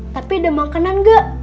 tapi ada makanan gak